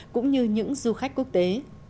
cũng như những du khách quốc tế